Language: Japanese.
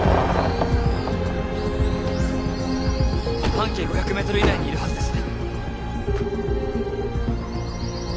半径５００ｍ以内にいるはずです。